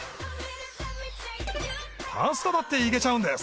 パスタだっていけちゃうんです